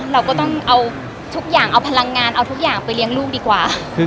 เราก็ต้องเอาทุกอย่างเอาพลังงานเอาทุกอย่างไปเลี้ยงลูกดีกว่า